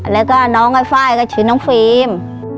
แล้วก็น้องไอ้ไฟล์ก็ชื่อน้องฟิล์ม